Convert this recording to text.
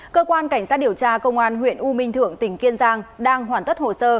cơ quan cảnh sát điều tra công an huyện u minh thượng tỉnh kiên giang đang hoàn tất hồ sơ